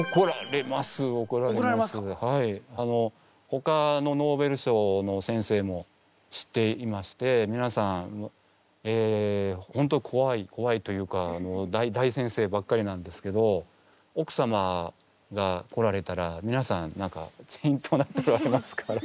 ほかのノーベル賞の先生も知っていましてみなさんホントこわいこわいというか大先生ばっかりなんですけど奥様が来られたらみなさんけんきょになっておられますから。